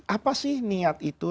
apa sih niat itu